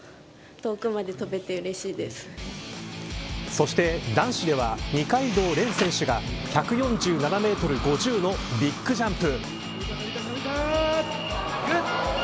そして男子では二階堂蓮選手が１４７メートル５０のビッグジャンプ。